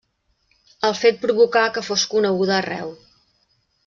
El fet provocà que fos coneguda arreu.